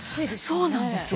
そうなんですよ。